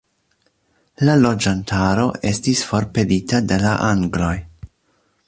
La loĝantaro estis forpelita de la angloj.